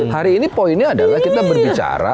hari ini poinnya adalah kita berbicara